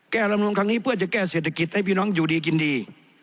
ลำนวนครั้งนี้เพื่อจะแก้เศรษฐกิจให้พี่น้องอยู่ดีกินดี